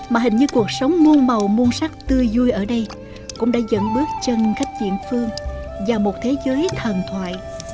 mà hình như cuộc sống muôn màu muôn sắc tươi vui ở đây cũng đã dẫn bước chân khách diễn phương và một thế giới thần thoại